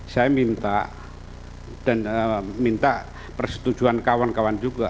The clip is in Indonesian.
saya minta dan minta persetujuan kawan kawan juga